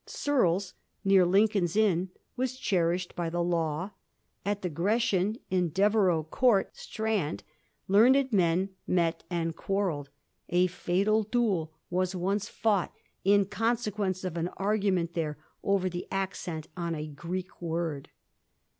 Serle's, near Lincoln's Inn, was cherished by the law. At the * Grecian,' in Devereux Court, Strand, learned men met and quarrelled ; a &tal duel was once fought in consequence of an argument there over the accent on a Greek word.